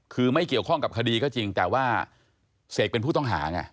คือไม่เกี่ยวข้องกับคดีก็จริงแต่ว่าเสกเป็นผู้ต้องหาไง